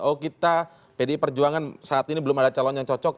oh kita pdi perjuangan saat ini belum ada calon yang cocok